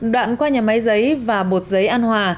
đoạn qua nhà máy giấy và bột giấy an hòa